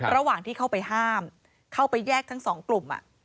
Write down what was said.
ระหว่างที่เข้าไปห้ามเข้าไปแยกทั้งสองกลุ่ม